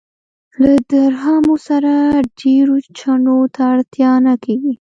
له درهمو سره ډېرو چنو ته اړتیا نه کېږي.